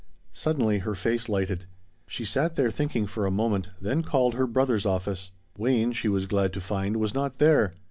Suddenly her face lighted. She sat there thinking for a moment, then called her brother's office. Wayne, she was glad to find, was not there.